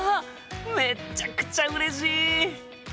めっちゃくちゃうれしい！